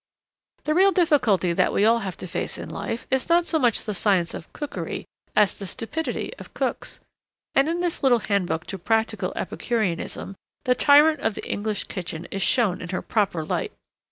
The real difficulty that we all have to face in life is not so much the science of cookery as the stupidity of cooks. And in this little handbook to practical Epicureanism the tyrant of the English kitchen is shown in her proper light.